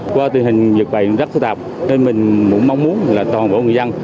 qua tình hình dịch bệnh rất phức tạp nên mình cũng mong muốn là toàn bộ người dân